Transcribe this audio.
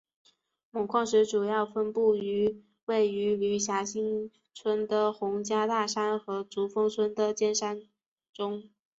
锰矿石主要分布于位于娄霞新村的洪家大山和竹峰村的尖顶山中。